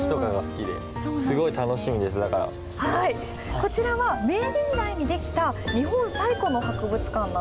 こちらは明治時代に出来た日本最古の博物館なんです。